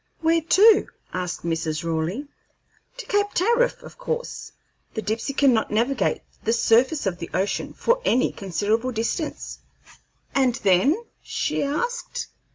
"Where to?" asked Mrs. Raleigh. "To Cape Tariff, of course. The Dipsey cannot navigate the surface of the ocean for any considerable distance." "And then?" she asked.